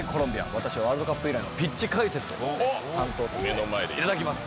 私はワールドカップ以来のピッチ解説を担当させていただきます。